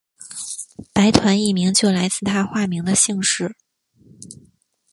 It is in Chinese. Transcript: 白团一名就来自他化名的姓氏。